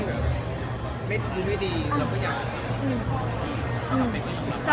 ถ้ามีอะไรดีไม่สุดเราก็จะทำครอบครับ